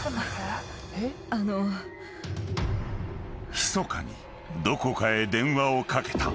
［ひそかにどこかへ電話をかけた］